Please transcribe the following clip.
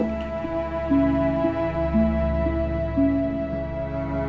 kau bisa mencoba tapi kamu harus berhenti